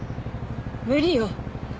無理よ。